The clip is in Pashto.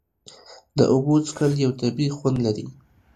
د اوبو څښل یو طبیعي خوند لري.